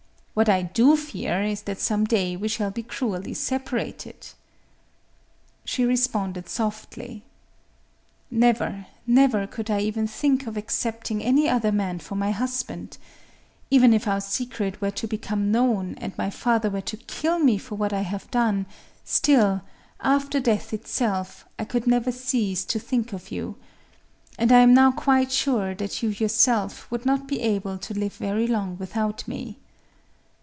What I do fear is that some day we shall be cruelly separated." She responded softly:— "Never, never could I even think of accepting any other man for my husband. Even if our secret were to become known, and my father were to kill me for what I have done, still—after death itself—I could never cease to think of you. And I am now quite sure that you yourself would not be able to live very long without me."